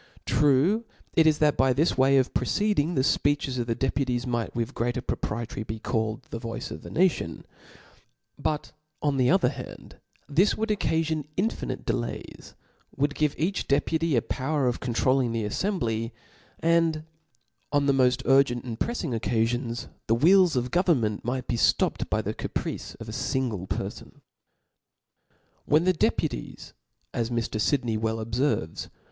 True it is, that by this way of proceeding, the fpeeches of the deputies might with greater pro priety be called the voice of the nation; bur^ on the other hand, this would occafion infinite delays ; would give each deputy a power of controlling the aflembly ; and, on the moft urgent and preffing occaGons, the wheels of government might be flop ped by the caprice of a fingle perfon. When O F L A W S, 227 'When the deputies, as Mr. Sidney well obfcrves.